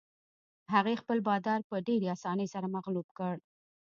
هغې خپل بادار په ډېرې اسانۍ سره مغلوب کړ.